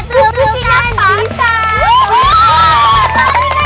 tuh butinya patah